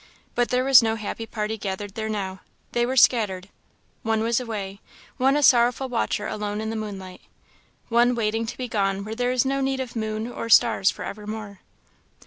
But there was no happy party gathered there now; they were scattered. One was away; one a sorrowful watcher alone in the moonlight; one waiting to be gone where there is no need of moon or stars for evermore.